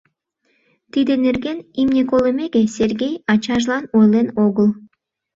Тиде нерген, имне колымеке, Сергей ачажлан ойлен огыл.